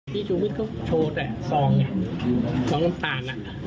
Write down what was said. ที่ชูวินเขาโชว์แต่ซองของน้ำตาล